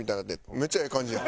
めっちゃええ感じやん。